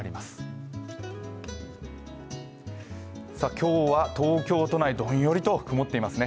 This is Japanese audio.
今日は東京都内、どんよりと曇っていますね。